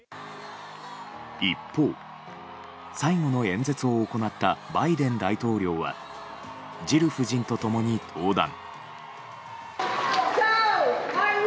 一方、最後の演説を行ったバイデン大統領はジル夫人と共に登壇。